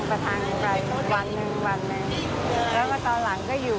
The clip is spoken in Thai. ไปขายถึงสำเพ็งนะ